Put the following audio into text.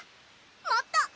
もっと！